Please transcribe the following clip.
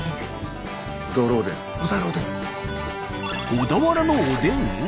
小田原おでん？